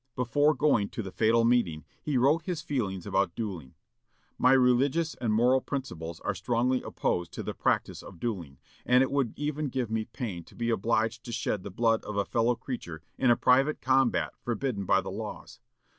Before going to the fatal meeting, he wrote his feelings about duelling. "My religious and moral principles are strongly opposed to the practice of duelling, and it would even give me pain to be obliged to shed the blood of a fellow creature in a private combat forbidden by the laws....